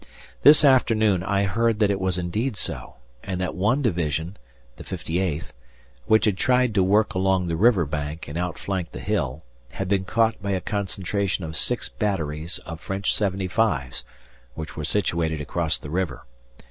This afternoon I heard that it was indeed so, and that one division (the 58th), which had tried to work along the river bank and outflank the hill, had been caught by a concentration of six batteries of French 75's, which were situated across the river.